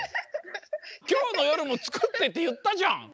「今日の夜もつくって」って言ったじゃん！